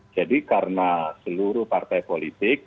jadi karena seluruh partai politik